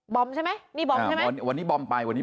บอมใช่ไหมวันนี้บอมไป